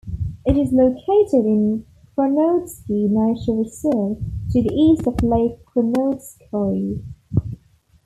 It is located in Kronotsky Nature Reserve to the east of Lake Kronotskoye.